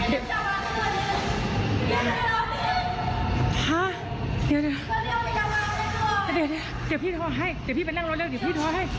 เดี๋ยวเดี๋ยวเดี๋ยวพี่ทอให้เดี๋ยวพี่ไปนั่งรถเร็วเดี๋ยวพี่ทอให้